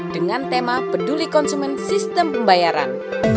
dengan tema peduli konsumen sistem pembayaran